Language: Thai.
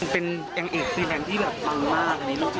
เป็นแห่งเอกซีแมนที่ฟังมาก